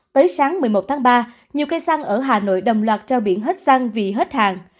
tới sáng một mươi một tháng ba nhiều cây xăng ở hà nội đồng loạt treo biển hết xăng vì hết hàng